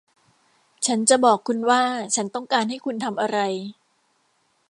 ฉันจะบอกคุณว่าฉันต้องการให้คุณทำอะไร